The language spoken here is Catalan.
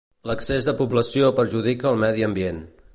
L'excés de població perjudica el medi ambient.